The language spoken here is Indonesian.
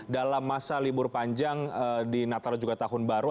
dalam masa libur panjang di natal juga tahun baru